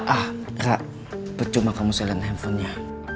ah kak percuma kamu selain handphonenya